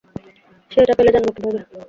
সে এটা পেলে জানব কীভাবে?